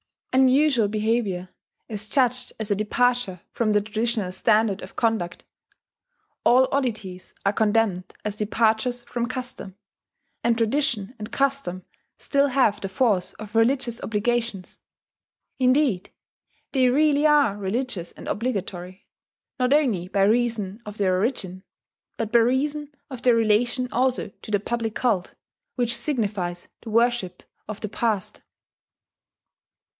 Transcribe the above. Unusual behaviour is judged as a departure from the traditional standard of conduct; all oddities are condemned as departures from custom; and tradition and custom still have the force of religious obligations. Indeed, they really are religious and obligatory, not only by reason of their origin, but by reason of their relation also to the public cult, which signifies the worship of the past.